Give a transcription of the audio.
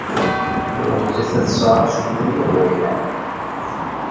Tilemẓit-a tesɛa acebbub d aberkan.